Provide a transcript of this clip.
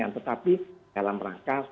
tetapi dalam rangka